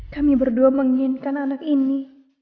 kami berdua menginginkan anak ini